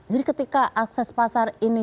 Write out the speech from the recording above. jadi ketika akses pasar ini